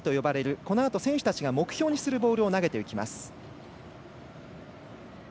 このあと選手たちが目標にするボールを投げます。